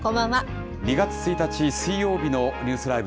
２月１日水曜日のニュースＬＩＶＥ！